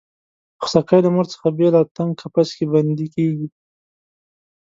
خوسکی له مور څخه بېل او تنګ قفس کې بندي کېږي.